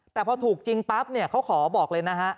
แต่พอถูกจริงปั๊บเนี่ยเขาขอบอกเลยนะฮะ